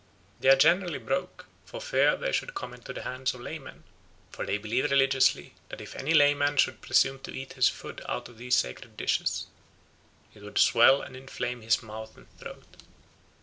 They are generally broke, for fear they should come into the hands of laymen, for they believe religiously, that if any layman should presume to eat his food out of these sacred dishes, it would swell and inflame his mouth and throat.